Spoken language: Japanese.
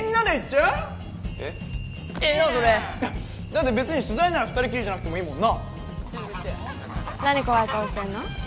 だって別に取材なら二人きりじゃなくてもいいもんな何怖い顔してんの？